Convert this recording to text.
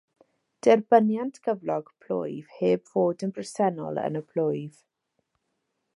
Derbynient gyflog plwyf heb fod yn bresennol yn y plwyf.